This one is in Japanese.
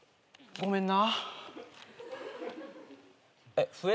ごめんな。